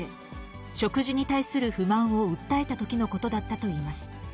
食事に対する不満を訴えたときのことだったといいます。